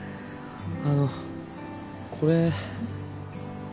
あのこれ。